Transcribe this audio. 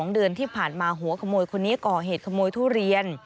๒เดือนที่ผ่านมาหัวขโมยคนนี้ก่อเหตุขโมยทุเรียน